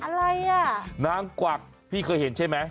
อะไรอ่ะนางกวักพี่เคยเห็นใช่ไหม